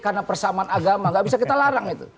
karena persamaan agama tidak bisa kita larang itu